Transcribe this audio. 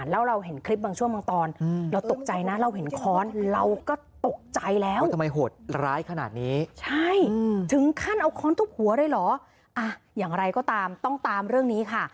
เอาค้อนทุบหัวได้หรออย่างไรก็ตามต้องตามเรื่องนี้ค่ะ